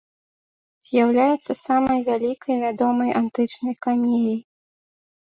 З'яўляецца самай вялікай вядомай антычнай камеяй.